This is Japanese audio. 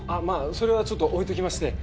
それはちょっと置いときまして。